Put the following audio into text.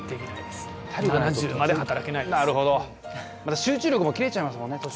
集中力も切れちゃいますもんね。